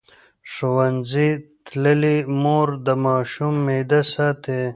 ښوونځې تللې مور د ماشوم معده ساتي.